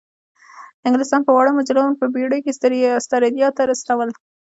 انګلستان به واړه مجرمان په بیړیو کې استرالیا ته استول.